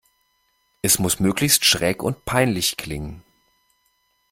Es muss möglichst schräg und peinlich klingen.